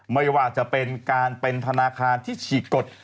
ไม่ว่าจะเป็นการเป็นธนาคารที่ฉีกกฎ